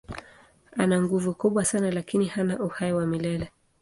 Ana nguvu kubwa sana lakini hana uhai wa milele.